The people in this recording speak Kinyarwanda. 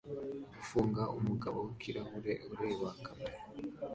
Gufunga umugabo wikirahure ureba kamera